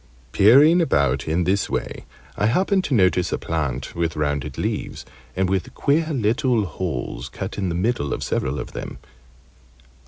Peering about in this way, I happened to notice a plant with rounded leaves, and with queer little holes cut in the middle of several of them.